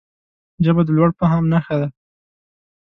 ژبه د لوړ فهم نښه ده